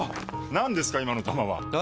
何ですか今の球は！え？